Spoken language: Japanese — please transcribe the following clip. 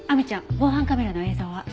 防犯カメラの映像は？